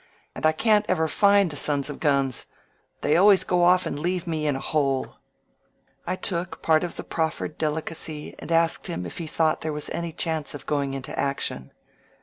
And I can't ever find the sons of guns ; they always go off and leave me in a hole !'* I took part of the proffered delicacy and asked him if he thought there was any chance of going into action.